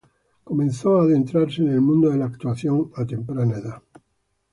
Comenzó a adentrarse en el mundo de la actuación a temprana edad.